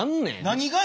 何がや？